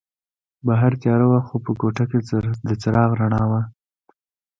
بهر تیاره وه خو په کوټه کې د څراغ رڼا وه.